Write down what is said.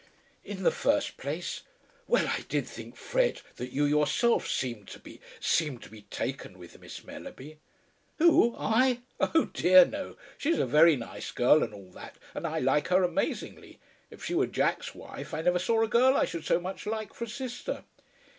"In the first place . Well! I did think, Fred, that you yourself seemed to be, seemed to be taken with Miss Mellerby." "Who? I? Oh, dear no. She's a very nice girl and all that, and I like her amazingly. If she were Jack's wife, I never saw a girl I should so much like for a sister."